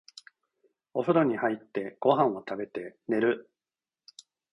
お風呂に入って、ご飯を食べて、寝る。